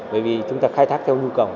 bởi vì chúng ta khai thác theo nhu cầu